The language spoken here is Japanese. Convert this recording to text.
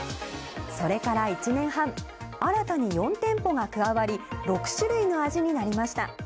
それから１年半新たに４店舗が加わり６種類の味になりました。